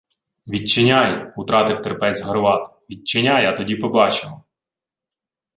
— Відчиняй! — утратив терпець Горват. — Відчиняй, а тоді побачимо!